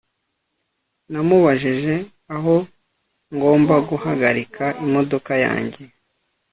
Namubajije aho ngomba guhagarika imodoka yanjye